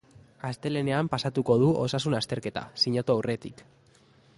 Astelehenean pasatuko du osasun azterketa, sinatu aurretik.